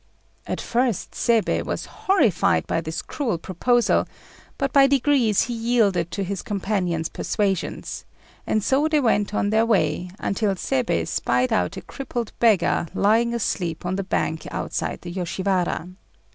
At first Seibei was horrified by this cruel proposal, but by degrees he yielded to his companion's persuasions; and so they went on their way until Seibei spied out a crippled beggar lying asleep on the bank outside the Yoshiwara.